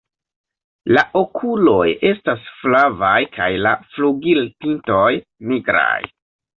La okuloj estas flavaj kaj la flugilpintoj nigraj.